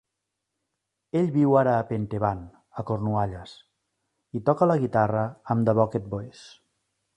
Ell viu ara a Pentewan, a Cornualles, i toca la guitarra amb The Bucket Boys.